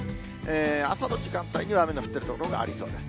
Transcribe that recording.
朝の時間帯には雨の降っている所がありそうです。